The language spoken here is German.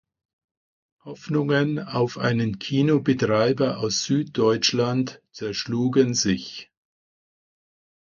Hoffnungen auf einen Kinobetreiber aus Süddeutschland zerschlugen sich.